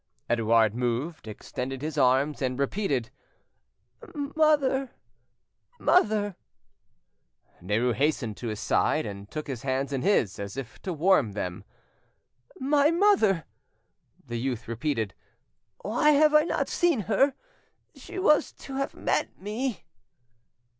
Edouard moved, extended his arms, and repeated, "Mother! ... mother!" Derues hastened to his side and took his hands in his, as if to warm them. "My mother!" the youth repeated. "Why have I not seen her? She was to have met me."